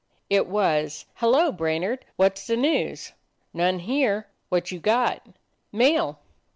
It was, "Hello, Brainard, what ' s the news?" "None here. What you got?" "Mail."